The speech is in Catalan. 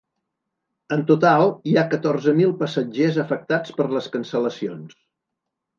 En total, hi ha catorze mil passatgers afectats per les cancel·lacions.